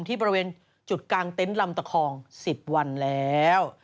ที่บริเวณจุดกลางเต็นต์ลำตะคอง๑๐วันแล้ว